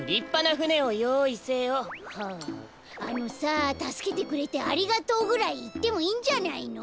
ああのさ「たすけてくれてありがとう」ぐらいいってもいいんじゃないの？